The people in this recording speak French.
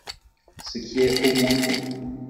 Ce qui est au moins faux.